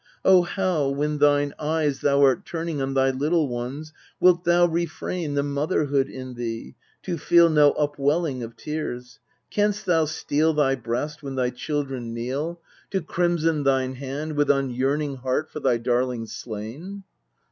O how, when thine eyes thou art turning On thy little ones, wilt thou refrain The motherhood in thee, to feel No upwelling of tears ? Canst, thou steel Thy breast when thy children kneel, MEDEA 271 To crimson thine hand, with unyearning Heart for thy darlings slain?